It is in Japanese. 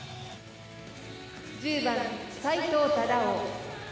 １０番齋藤忠男。